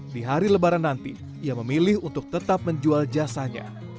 di hari lebaran nanti ia memilih untuk tetap menjual jasanya